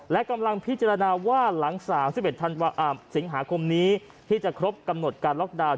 และกำลังพิจารณาว่าหลังสามสิบเอ็ดทันวาอัมสิงหาคมนี้ที่จะครบกำหนดการล็อกดาวน์